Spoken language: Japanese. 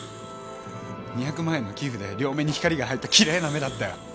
２００万円の寄付で両目に光が入ったきれいな目だったよ！